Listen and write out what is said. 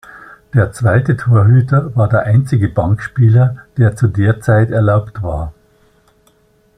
Der zweite Torhüter war der einzige Bankspieler, der zu der Zeit erlaubt war.